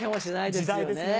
時代ですね。